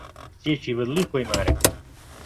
کچێکی بە دڵی خۆی مارە کرد.